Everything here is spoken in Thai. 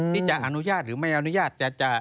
ที่จะอนุญาตหรือไม่อนุญาต